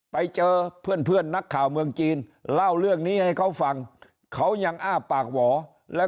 ไปเจอเพื่อนเพื่อนนักข่าวเมืองจีนเล่าเรื่องนี้ให้เขาฟังเขายังอ้าปากหวอแล้ว